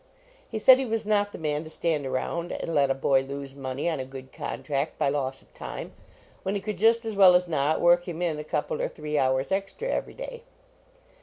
He said he was not the man to stand around and let a boy lose money on a good contract by loss of time, when he could just as well as not work him in a couple or three hours ex tra every day.